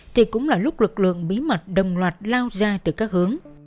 thì cũng là lúc lực lượng bí mật đồng loạt lao ra từ các hướng